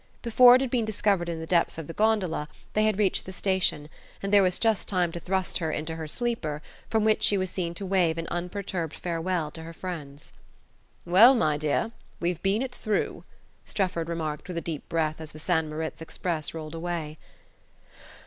Before it had been discovered in the depths of the gondola they had reached the station, and there was just time to thrust her into her "sleeper," from which she was seen to wave an unperturbed farewell to her friends. "Well, my dear, we've been it through," Strefford remarked with a deep breath as the St. Moritz express rolled away.